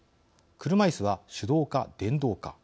車いすは手動か電動か。